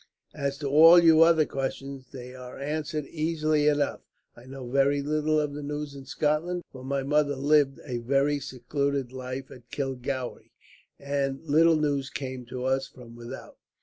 As to all your other questions, they are answered easily enough. I know very little of the news in Scotland, for my mother lived a very secluded life at Kilgowrie, and little news came to us from without.